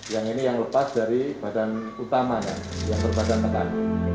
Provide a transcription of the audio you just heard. yang ini yang lepas dari badan utama yang berbadan tekan